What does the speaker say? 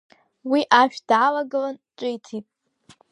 Уи ашә даалагылан, ҿиҭит…